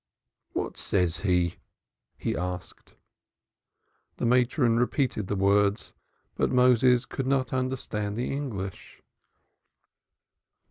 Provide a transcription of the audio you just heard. "What says he?" he asked. The matron repeated the words, but Moses could not understand the English.